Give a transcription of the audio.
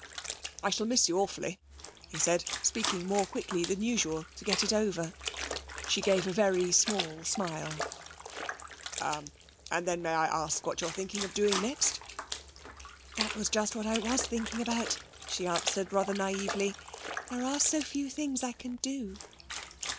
'I shall miss you awfully,' he said, speaking more quickly than usual to get it over. She gave a very small smile. 'Er and then may I ask what you're thinking of doing next?' 'That was just what I was thinking about,' she answered rather naïvely. 'There are so few things I can do.'